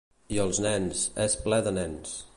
I els nens, és ple de nens.